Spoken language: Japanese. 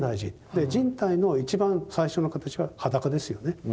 で人体の一番最初の形は裸ですよね。